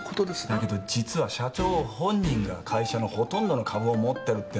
だけど実は社長本人が会社のほとんどの株を持ってるってなると。